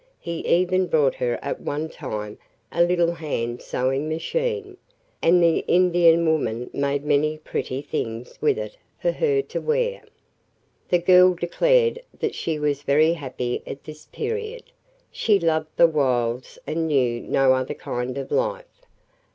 He even brought her at one time a little hand sewing machine, and the Indian woman made many pretty things with it for her to wear. The girl declared that she was very happy at this period. She loved the wilds and knew no other kind of life.